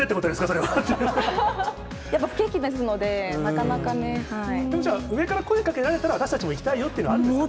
そやっぱ不景気ですので、じゃあ、上から声かけられたら、私たちも行きたいよっていうのはあるんですか。